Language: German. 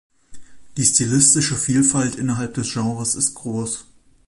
Die stilistische Vielfalt innerhalb des Genres ist groß.